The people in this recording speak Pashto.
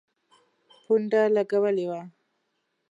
پونډه لګولي وه.